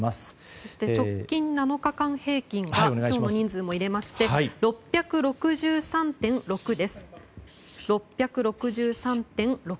そして直近７日間平均が今日の人数も入れて６６３．６です。